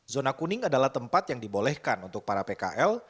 zona kuning adalah tempat yang dibolehkan untuk para pkl